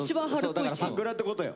だから桜ってことよ。